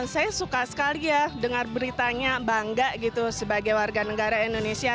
saya suka sekali ya dengar beritanya bangga gitu sebagai warga negara indonesia